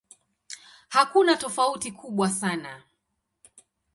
Hakuna tofauti kubwa sana.